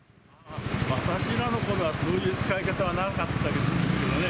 私らのころは、そういう使い方はなかったですけどね。